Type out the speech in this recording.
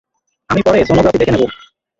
আমি পরে সোনোগ্রাফি দেখে নেব।